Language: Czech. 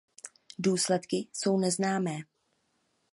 Důsledky jsou neznámé.